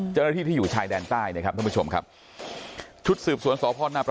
เจ้าหน้าที่ที่อยู่ชายแดนใต้นะครับท่านผู้ชมครับชุดสืบสวนสพนประ